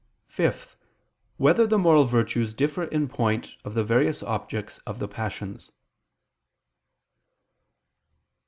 (5) Whether the moral virtues differ in point of the various objects of the passions?